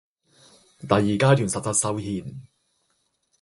第二階段實質修憲